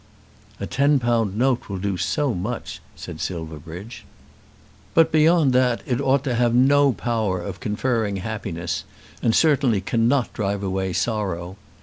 "A ten pound note will do so much," said Silverbridge. "But beyond that it ought to have no power of conferring happiness, and certainly cannot drive away sorrow.